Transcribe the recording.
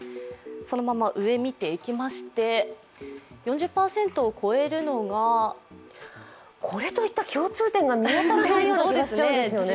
そのまま上、見ていきまして４０％を超えるのがこれといった共通点が見当たらないような気がするんですよね。